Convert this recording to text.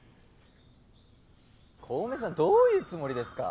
小梅さんどういうつもりですか？